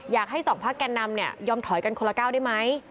อยากให้สองพักแก่นำเนี่ยยอมถอยกันคนละก้าวได้ไหม